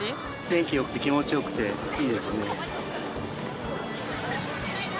天気よくて、気持ちよくて、いいですね。